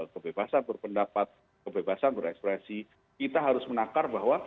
kebebasan berpendapat kebebasan berekspresi kita harus menakar bahwa